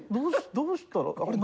どうしたらあれ？